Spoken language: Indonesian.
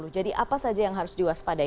jadi apa saja yang harus diwaspadai